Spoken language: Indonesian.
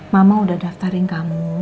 mama sudah mendaftarkan kamu